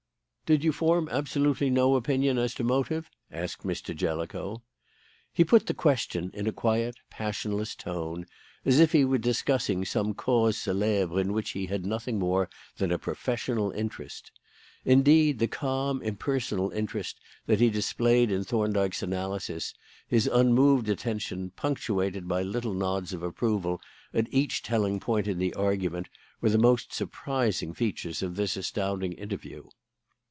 "Did you form absolutely no opinion as to motive?" asked Mr. Jellicoe. He put the question in a quiet, passionless tone, as if he were discussing some cause célèbre in which he had nothing more than a professional interest. Indeed, the calm, impersonal interest that he displayed in Thorndyke's analysis, his unmoved attention, punctuated by little nods of approval at each telling point in the argument, were the most surprising features of this astounding interview.